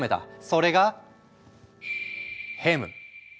それがヘム。